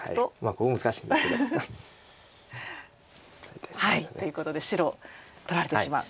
ここ難しいんですけど。ということで白取られてしまう。